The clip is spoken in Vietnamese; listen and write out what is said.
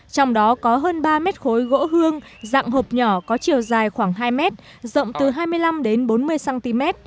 trong đó có hơn ba mét khối gỗ hương dạng hộp nhỏ có chiều dài khoảng hai mét rộng từ hai mươi năm đến bốn mươi cm